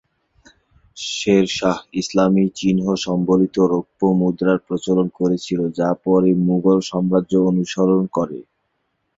শের শাহ ইসলামি চিহ্ন সংবলিত রৌপ্য মুদ্রার প্রচলন করেছিলেন, যা পরে মুঘল সাম্রাজ্য অনুকরণ করে।